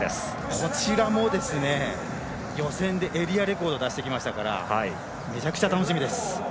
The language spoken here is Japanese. こちらも予選でエリアレコード出してきましたからめちゃくちゃ楽しみです。